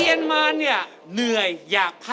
เรียนมาเนี่ยเหนื่อยอยากพัก